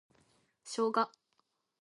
ショウガ